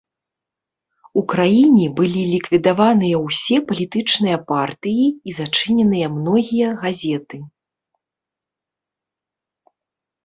У краіне былі ліквідаваныя ўсе палітычныя партыі і зачыненыя многія газеты.